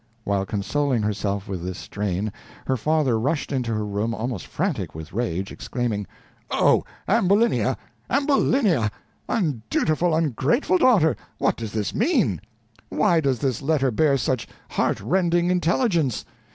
While consoling herself with this strain, her father rushed into her room almost frantic with rage, exclaiming: "Oh, Ambulinia! Ambulinia!! undutiful, ungrateful daughter! What does this mean? Why does this letter bear such heart rending intelligence?